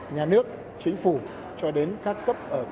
nhà nước chính phủ cho đến các cấp ở các doanh nghiệp việt nam